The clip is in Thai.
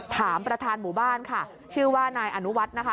ถามประธานหมู่บ้านค่ะชื่อว่านายอนุวัฒน์นะคะ